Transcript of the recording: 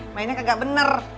mainnya kagak bener